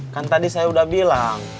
kan tadi saya sudah bilang